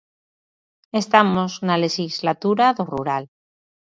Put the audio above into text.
Estamos na lexislatura do rural.